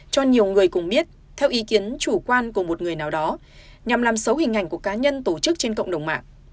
cho nhiều người cùng biết theo ý kiến chủ quan của một người nào đó nhằm làm xấu hình ảnh của cá nhân tổ chức trên cộng đồng mạng